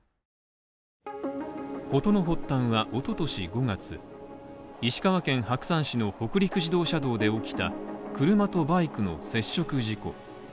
事の発端は、おととし５月石川県白山市の北陸自動車道で起きた車とバイクの接触事故。